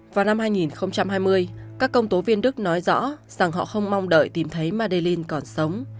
vào năm hai nghìn hai mươi các công tố viên đức nói rõ rằng họ không mong đợi tìm thấy madelin còn sống